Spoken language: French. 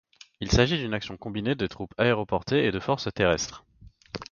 Il s'agit d'une action combinée de troupes aéroportées et de forces terrestres.